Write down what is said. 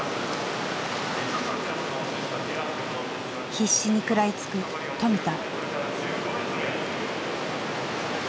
必死に食らいつく富田。